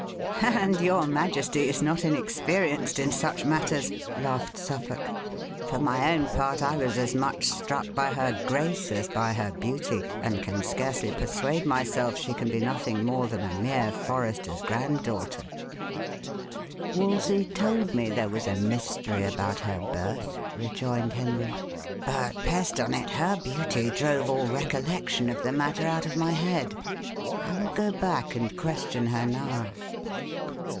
"And your majesty is not inexperienced in such matters," laughed Suffolk. "For my own part, I was as much struck by her grace as by her beauty, and can scarcely persuade myself she can be nothing more than a mere forester's grand daughter." "Wolsey told me there was a mystery about her birth," rejoined Henry; "but, pest on it; her beauty drove all recollection of the matter out of my head. I will go back, and question her now."